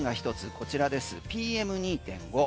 こちらです、ＰＭ２．５。